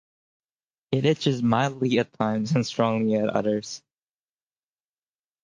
It itches mildly at times, and strongly at others.